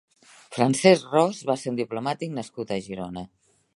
Francesc Ros va ser un diplomàtic nascut a Girona.